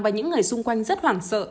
và những người xung quanh rất hoảng sợ